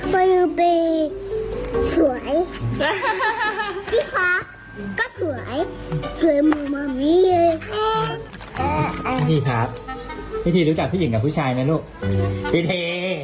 มันรู้จักสวยพี่พ่อก็สวยสวยเหมือนมันนี่พี่ทีครับพี่ทีรู้จักผู้หญิงกับผู้ชายนะลูกพี่เท